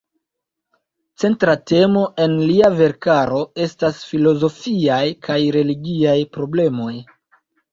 Centra temo en lia verkaro estas filozofiaj kaj religiaj problemoj.